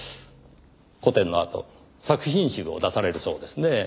個展のあと作品集を出されるそうですね。